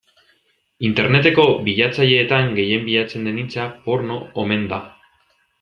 Interneteko bilatzaileetan gehien bilatzen den hitza porno omen da.